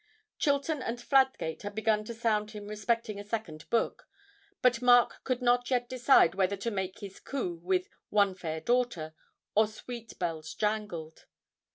Chilton and Fladgate had begun to sound him respecting a second book, but Mark could not yet decide whether to make his coup with 'One Fair Daughter' or 'Sweet Bells Jangled.'